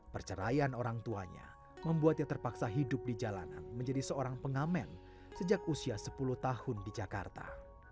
perceraian orang tuanya membuatnya terpaksa hidup di jalanan menjadi seorang pengamen sejak usia sepuluh tahun di jakarta